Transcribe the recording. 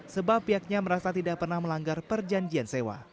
sebab pihaknya merasa tidak pernah melanggar perjanjian sewa